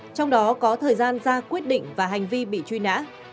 trong đó có thời gian ra quyết định và hành vi bị truy nã